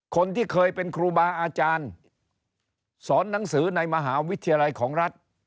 คนที่เคยเป็นครูบาอาจารย์สอนหนังสือในมหาวิทยาลัยของรัฐ